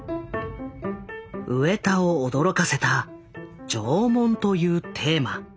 上田を驚かせた縄文というテーマ。